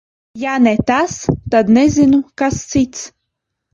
Ja ne tas, tad nezinu, kas cits.